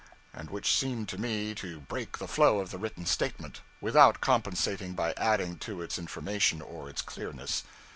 and which seemed to me to break the flow of the written statement, without compensating by adding to its information or its clearness.